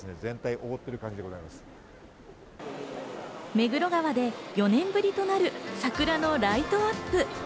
目黒川で４年ぶりとなる桜のライトアップ。